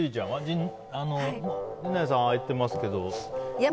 陣内さんはああ言ってますけど。